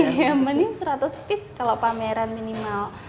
iya minimum seratus piece kalau pameran minimal